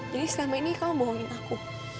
jadi selama ini kamu bohongin aku